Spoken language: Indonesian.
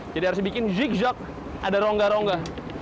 jadi harus dibikin zigzag ada rongga rongga